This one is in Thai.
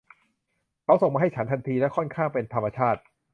เขาส่งมาให้ฉันทันทีและค่อนข้างเป็นธรรมชาติ